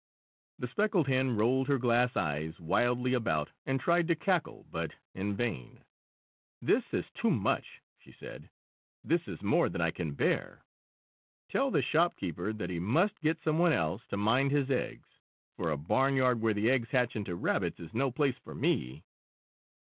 The speckled hen rolled her glass eyes wildly about and tried to cackle, but in vain. "This is too much!" she said. "This is more than I can bear. Tell the shopkeeper that he must get some one else to mind his eggs, for a barnyard where the eggs hatch into rabbits is no place for me."